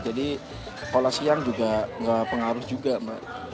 jadi kalau siang juga gak pengaruh juga mak